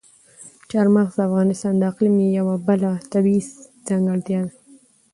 چار مغز د افغانستان د اقلیم یوه بله طبیعي ځانګړتیا ده.